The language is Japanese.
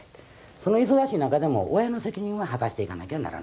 その忙しい中でも親の責任は果たしていかなきゃならない。